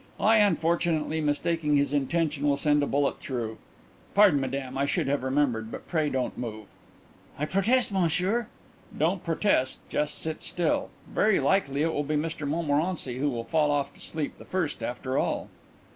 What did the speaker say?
I, unfortunately mistaking his intention, will send a bullet through Pardon, Madame, I should have remembered but pray don't move." "I protest, Monsieur " "Don't protest; just sit still. Very likely it will be Mr Montmorency who will fall off to sleep the first after all."